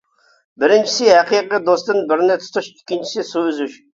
بىرىنچىسى ھەقىقىي دوستتىن بىرنى تۇتۇش، ئىككىنچىسى سۇ ئۈزۈش.